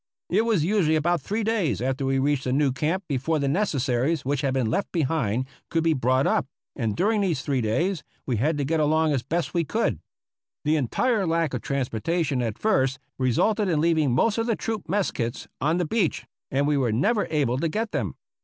It was usu ally about three days after we reached a new camp before the necessaries which had been left behind could be 278 APPENDIX B brought up, and during these three days we had to get along as best we could. The entire lack of transportation at first resulted in leaving most of the troop mess kits on the beach, and we were never able to get them.